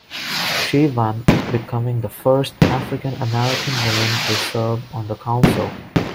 She won, becoming the first African American woman to serve on the Council.